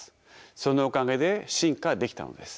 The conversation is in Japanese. そのおかげで進化できたのです。